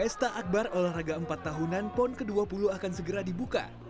pesta akbar olahraga empat tahunan pon ke dua puluh akan segera dibuka